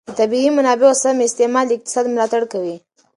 د طبیعي منابعو سم استعمال د اقتصاد ملاتړ کوي.